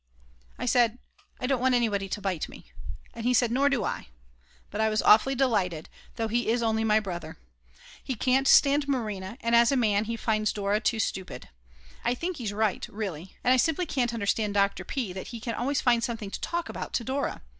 I said: "I don't want anyone to bite me," and he said: "Nor do I," but I was awfully delighted, though he is only my brother. He can't stand Marina, and as a man he finds Dora too stupid; I think he's right, really. And I simply can't understand Dr. P., that he can always find something to talk about to Dora.